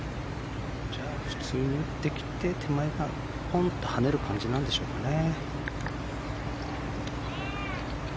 じゃあ、普通に打ってきて手前からポンと跳ねる感じなんでしょうかね。